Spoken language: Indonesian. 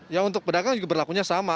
ya untuk pedagang juga berlakunya sama